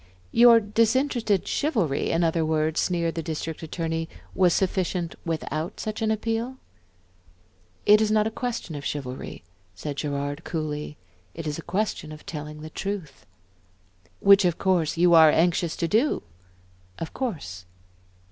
"Your disinterested chivalry, in other words," sneered the District Attorney, "was sufficient, without such an appeal?" "It is not a question of chivalry," said Gerard, coolly, "it is a question of telling the truth." "Which of course you are anxious to do." "Of course."